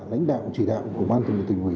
lãnh đạo chỉ đạo của ban tỉnh ủy